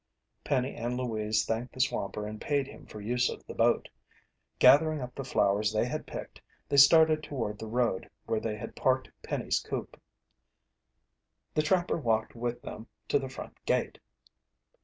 Penny and Louise thanked the swamper and paid him for use of the boat. Gathering up the flowers they had picked, they started toward the road where they had parked Penny's coupe. The trapper walked with them to the front gate.